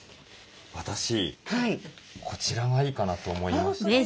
私こちらがいいかなと思いました。